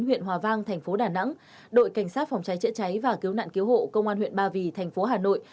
huyện hòa vang thành phố đà nẵng đội cảnh sát phòng cháy chữa cháy và cứu nạn cứu hộ công an huyện ba vì thành phố hà nội